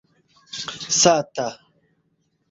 sata